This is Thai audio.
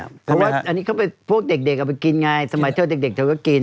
เพราะว่าอันนี้เขาเป็นพวกเด็กเอาไปกินไงสมัยเธอเด็กเธอก็กิน